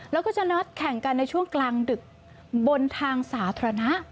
แล้วก็จะนัดแข่งกันในช่วงกลางดึกบนทางสาธารณะ